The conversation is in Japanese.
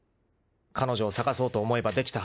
［彼女を探そうと思えばできたはずだ］